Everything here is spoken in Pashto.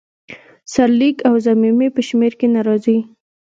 سرلیک او ضمیمې په شمیر کې نه راځي.